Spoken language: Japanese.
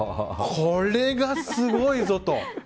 これがすごいぞと。